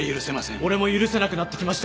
俺も許せなくなってきました！